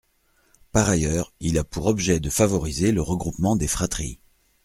Par ailleurs, il a pour objet de favoriser le regroupement des fratries.